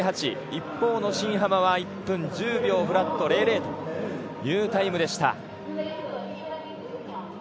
一方の新濱は１分１０秒００というタイムでした。